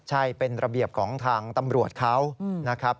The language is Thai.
ใช่เป็นระเบียบของทางตำรวจเขานะครับ